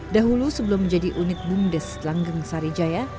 dahulu sebelum menjadi unit bumdes langgeng sari jaya